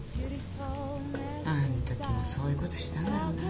あんときもそういうことしたんだろうな。